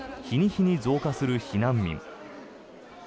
日に日に増加する避難民。